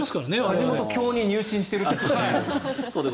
梶本教に入信してるという。